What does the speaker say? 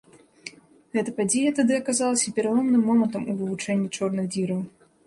Гэта падзея тады аказалася пераломным момантам у вывучэнні чорных дзіраў.